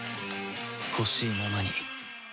ほしいままに